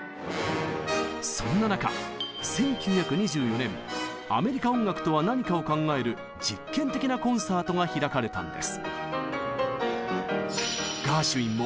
そんな中１９２４年「アメリカ音楽とは何か」を考える実験的なコンサートが開かれたんです。